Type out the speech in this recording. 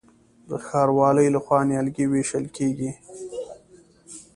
د ښاروالۍ لخوا نیالګي ویشل کیږي.